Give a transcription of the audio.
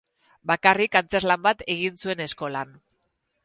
Bakarrik antzezlan bat egin zuen eskolan.